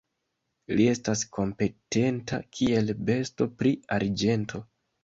Li estas kompetenta, kiel besto pri arĝento.